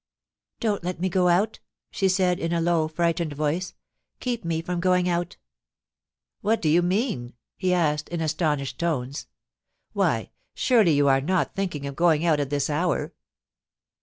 * Don't let me go out,' she said in a low, frightened voice ;* keep me from going out !' M\Tiat do you mean?* he asked in astonished tones. *Why, surely you are not thinking of going out at this hour?